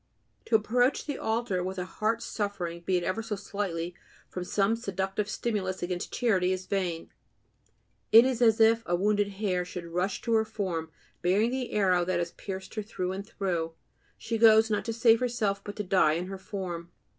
To approach the altar with a heart suffering, be it ever so slightly, from some seductive stimulus against charity is vain; it is as if a wounded hare should rush to her form, bearing the arrow that has pierced her through and through; she goes, not to save herself, but to die in her form.